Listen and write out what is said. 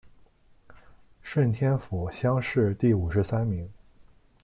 顺天府乡试第五十三名。